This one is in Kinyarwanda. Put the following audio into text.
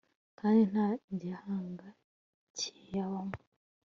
kandi nta gihanga kiyabamo